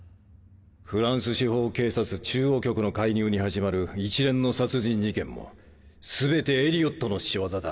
フランス司法警察中央局の介入に始まる一連の殺人事件も全てエリオットの仕業だ。